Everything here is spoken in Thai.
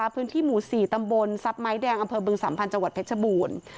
พื้นที่หมู่๔ตำบลทรัพย์ไม้แดงอำเภอบึงสัมพันธ์จังหวัดเพชรบูรณ์